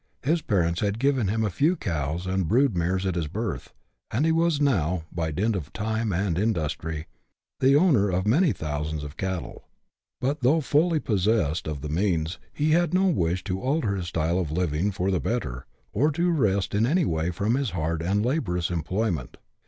His parents had given him a few cows and brood mares at his birth, and he was now, by dint of time and industry, the owner of many thousands of cattle. But though fully possessed of the means, he had no wish to alter his style of living for the better, or to rest in any way from his hard and laborious employment.